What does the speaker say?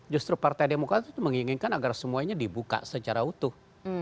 justru partai demokrat itu menginginkan agar semuanya dibuka secara utuh